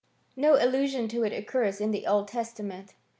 No allusion to it occurs in the Old Testament.